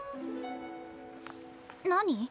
何？